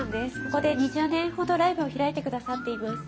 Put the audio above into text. ここで２０年ほどライブを開いてくださっています。